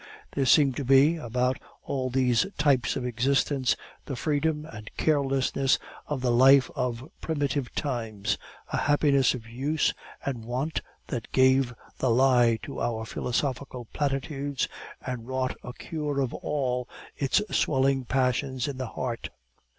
There seemed to be, about all these types of existence, the freedom and carelessness of the life of primitive times, a happiness of use and wont that gave the lie to our philosophical platitudes, and wrought a cure of all its swelling passions in the heart.